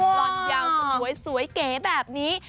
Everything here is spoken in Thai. หล่อนยาวสวยเก๋แบบนี้